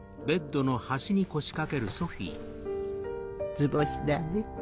図星だね。